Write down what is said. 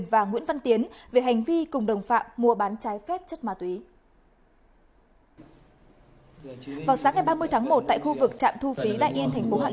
do nguyễn văn tiến điều khiển trở bù thị thanh huyền đã phát hiện và thu giữ ba túi ni lông đều là ma túy tổng hợp có trọng lượng hơn hai một kg